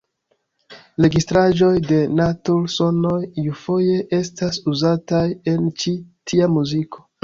Registraĵoj de natur-sonoj iufoje estas uzataj en ĉi tia muziko.